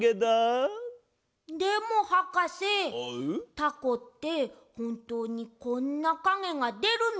タコってほんとうにこんなかげがでるの？